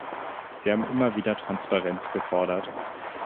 Sie haben immer wieder Transparenz gefordert.